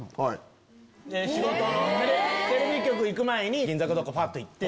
テレビ局行く前に銀座かどっかパッと行って？